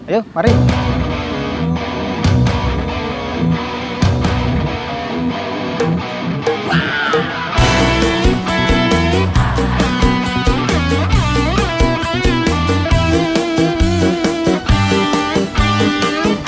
ya mari pak